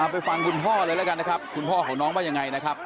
ไปฟังคุณพ่อเลยแล้วกันนะครับคุณพ่อของน้องว่ายังไงนะครับ